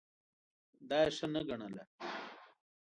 دا یې ښه نه ګڼله.